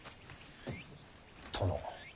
殿。